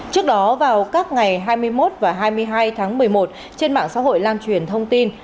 trước đó vào các ngày hai mươi một và hai mươi hai tháng một mươi một trên mạng xã hội lan truyền thông tin